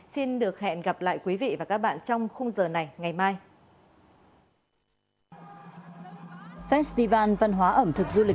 xin được hẹn gặp lại quý vị và các bạn trong khung giờ này ngày mai